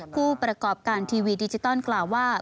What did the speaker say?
ผู้ประกอบการทีวีดิจิตอลกล่าวว่า